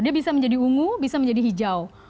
dia bisa menjadi ungu bisa menjadi hijau